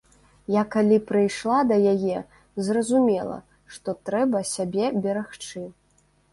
Я калі прыйшла да яе, зразумела, што трэба сябе берагчы.